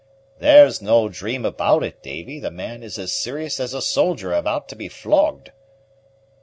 "There's no dream about it, Davy; the man is as serious as a soldier about to be flogged."